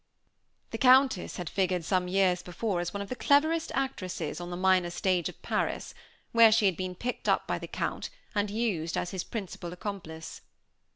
The Countess had figured some years before as one of the cleverest actresses on the minor stage of Paris, where she had been picked up by the Count and used as his principal accomplice.